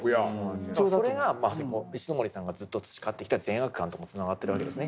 それが石森さんがずっと培ってきた善悪感ともつながってるわけですね。